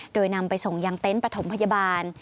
โดยนำไปส่งยังเต็นต์ปฐมพยาบาล